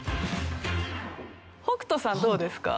北斗さんどうですか？